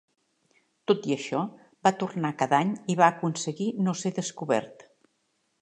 Tot i això, va tornar cada any i va aconseguir no ser descobert.